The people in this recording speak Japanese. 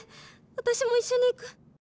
私も一緒に逝く！」。